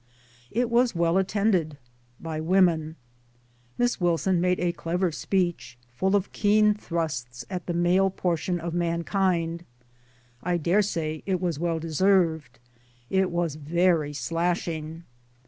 It was well attended by women ; Miss Wilson made a clever speech, full of keen thrusts at the male portion of mankind. I dare say it was well deserved. It was very slashing.